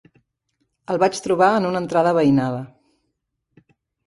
El vaig trobar en una entrada veïnada.